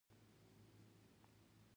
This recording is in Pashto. داخلي سوداګري د خصوصي سکتور په لاس کې وه.